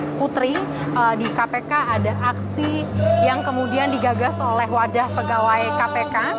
nah putri di kpk ada aksi yang kemudian digagas oleh wadah pegawai kpk